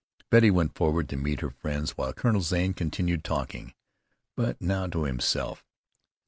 Betty went forward to meet her friends while Colonel Zane continued talking, but now to himself.